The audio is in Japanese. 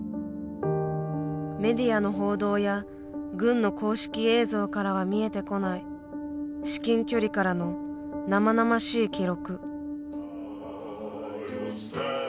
メディアの報道や軍の公式映像からは見えてこない至近距離からの生々しい記録。